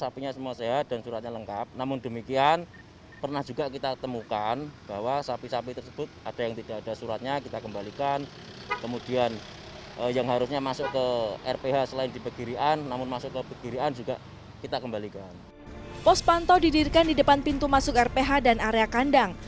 pos pantau didirikan di depan pintu masuk rph dan area kandang